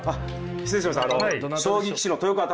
失礼しました。